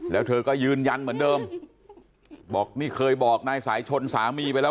แล้วเธอก็ยืนยันเหมือนเดิมบอกนี่เคยบอกนายสายชนสามีไปแล้ว